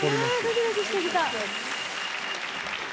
ドキドキしてきた。